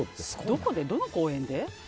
どこでどの公園で？